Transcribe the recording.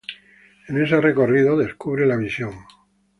En ese recorrido, descubre la visión.